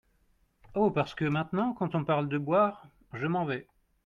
Oh ! parce que maintenant, quand on parle de boire, je m’en vais !